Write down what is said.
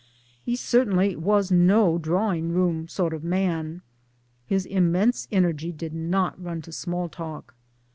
He certainly was no drawing room sort of man. His immense energy did not run to small talk.